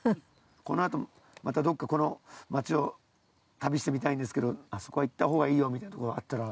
このあと、またどっかこの町を旅してみたいんですけどあそこは行ったほうがいいよみたいなところがあったら。